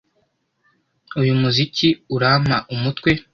Uyu muziki urampa umutwe.